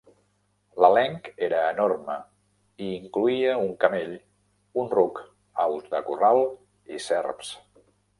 L'elenc era enorme i incloïa un camell, un ruc, aus de corral i serps.